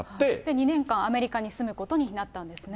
２年間、アメリカに住むことになったんですね。